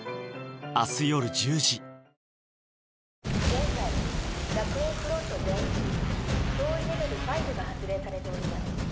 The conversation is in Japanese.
現在学園フロント全域に脅威レベル５が発令されております。